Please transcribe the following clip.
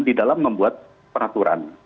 di dalam membuat peraturan